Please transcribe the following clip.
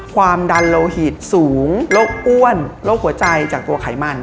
ความดันโลหิตสูงโรคอ้วนโรคหัวใจจากตัวไขมัน